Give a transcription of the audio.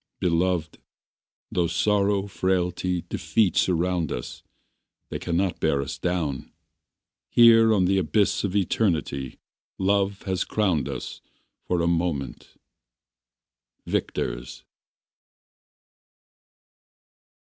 Beloved, Tho' sorrow, futility, defeat Surround us, They cannot bear us down. Here on the abyss of eternity Love has crowned us For a moment Victors.